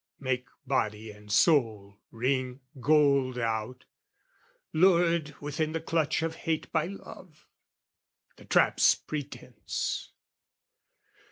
Make Body and soul wring gold out, lured within The clutch of hate by love, the trap's pretence!